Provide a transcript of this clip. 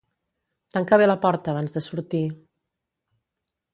Tanca bé la porta abans de sortir.